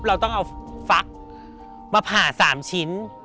เราต้องเอาฟักมาผ่า๓ชิ้น